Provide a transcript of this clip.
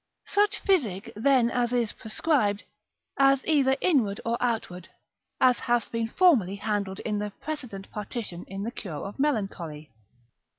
Such physic then as is prescribed, is either inward or outward, as hath been formerly handled in the precedent partition in the cure of melancholy.